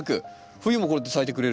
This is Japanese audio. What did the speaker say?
冬もこうやって咲いてくれる。